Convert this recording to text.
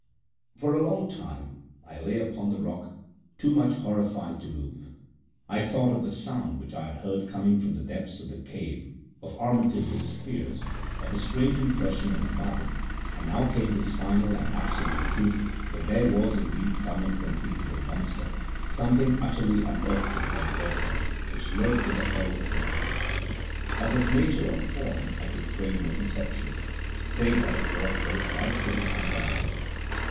< 9 > For a long time I lay upon the rock, too much horrified to move. I thought of the sound which I had heard coming from the depths of the cave, of Armitage's fears, of the strange impression in the mud, and now came this final and absolute proof that there was indeed some inconceivable monster, something utterly unearthly and dreadful, which lurked in the hollow of the mountain. Of its nature or form I could frame no conception, save that it was both light footed and gigantic.